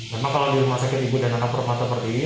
karena kalau di rumah sakit ibu dan anak perempuan terpandiri